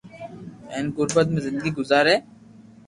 ھين غربت ۾ زندگي گزاري